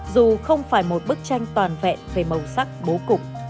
dù không phải một bức tranh toàn vẹn về màu sắc bố cục